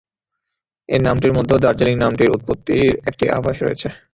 এই নামটির মধ্যেও "দার্জিলিং" নামটির উৎপত্তির একটি আভাস রয়েছে।